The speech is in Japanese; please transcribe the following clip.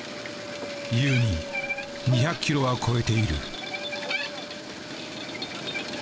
優に２００キロは超えている。